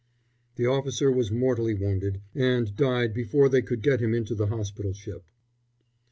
The officer was mortally wounded, and died before they could get him into the hospital ship.